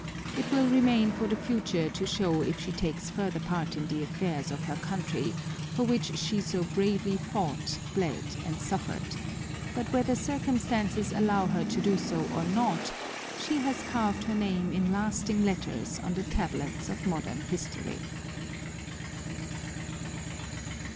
It will remain for the future to show if she takes further part in the affairs of her country for which she so bravely fought, bled and suffered, but whether circumstances allow her to do so or not, she has carved her name in lasting letters on the tablets of modern history.